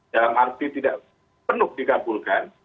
dalam arti tidak penuh dikabulkan